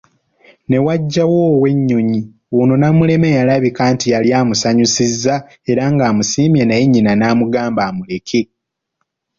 Newajjawo ow’enyonyi ono Namuleme yalabika nti yali amusanyusizza era ng’amusiimye naye nnyina namugamba amuleke.